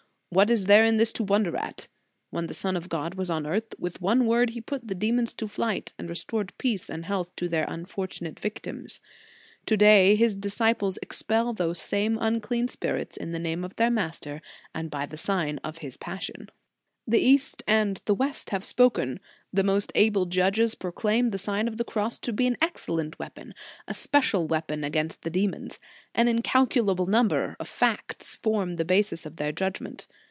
What is there in this to wonder at ? When the Son of God was on earth, with one word He put the demons to flight, and restored peace and health to their unfortunate victims. To day His disci ples expel those same unclean spirits in the name of their Master, and by the sign of His passion." * Lib. de Symb. c. i. t Ep. xviii. ad Eustoch. J Epist. 97 ad Demetriad. | Lib. iv. c. 27. 204 The Sign of the Cross The East and the West have spoken. The most able judges proclaim the Sign of the Cross to be an excellent weapon, a special weapon against the demons. An incalculable number, of facts form the basis of their judg ment.